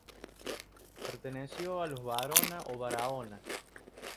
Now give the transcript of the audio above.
Perteneció a los Varona o Barahona.